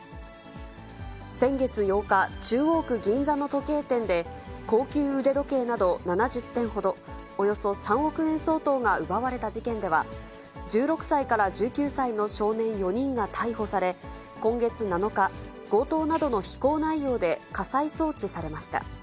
先月８日、中央区銀座の時計店で、高級腕時計など７０点ほど、およそ３億円相当が奪われた事件では、１６歳から１９歳の少年４人が逮捕され、今月７日、強盗などの非行内容で家裁送致されました。